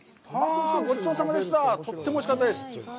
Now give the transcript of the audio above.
ごちそうさまでした、とってもおいしかったです。